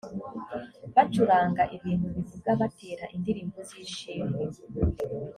bacuranga ibintu bivuga batera indirimbo z ishimwe